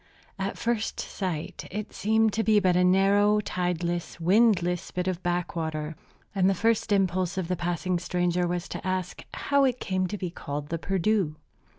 At first sight it seemed to be but a narrow, tideless, windless bit of backwater; and the first impulse of the passing stranger was to ask how it came to be called the "Perdu."